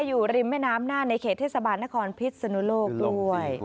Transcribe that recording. อยู่ริมแม่น้ำน่านในเขตเทศบาลนครพิษนุโลกด้วย